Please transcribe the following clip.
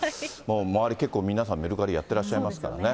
周り、結構皆さん、メリカリやってらっしゃいますからね。